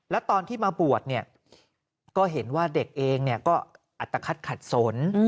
แล้วตอนที่มาบวชเนี่ยก็เห็นว่าเด็กเองก็อัตภัทขัดสน